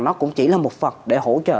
nó cũng chỉ là một phần để hỗ trợ